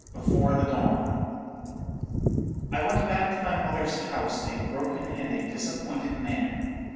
—BEFORE THE DAWN. "I went back to my mother's house a broken and a disappointed man.